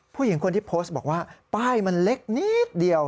ผู้หญิงคนที่โพสต์บอกว่าป้ายมันเล็กนิดเดียว